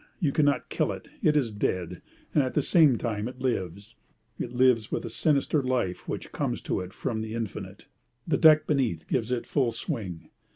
You cannot kill it, it is dead; and at the same time it lives. It lives with a sinister life which comes to it from the infinite. The deck beneath it gives it full swing.